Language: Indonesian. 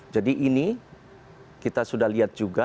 jadi ini kita sudah lihat juga